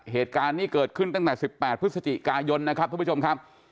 เหตุการณ์นี้เกิดขึ้นตั้งแต่๑๘พฤศจิกายนนะครับทุกผู้ชมครับ